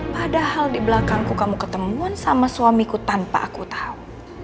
padahal di belakangku kamu ketemuan sama suamiku tanpa aku tahu